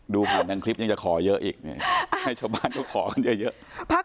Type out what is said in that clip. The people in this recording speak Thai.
ผ่านทางคลิปยังจะขอเยอะอีกให้ชาวบ้านเขาขอกันเยอะ